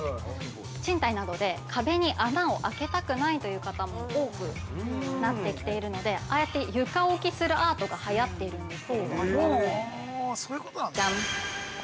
賃貸などで、壁に穴を開けたくないという方も、多くなってきているので、ああやって床置きするアートがはやっているんです。